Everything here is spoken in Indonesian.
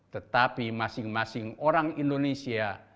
tetapi masing masing orang indonesia